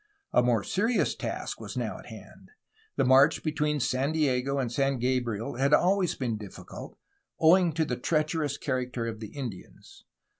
A more serious task was now at hand. The march between San Diego and San Gabriel had always been difficult, owing to the treacherous character of the Indians.